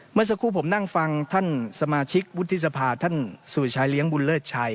เมื่อสักครู่ผมนั่งฟังท่านสมาชิกวุฒิสภาท่านสุริชายเลี้ยงบุญเลิศชัย